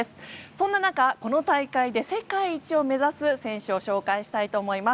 そんな中、この大会で世界一を目指す選手を初会します